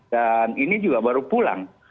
dan ini juga baru pulang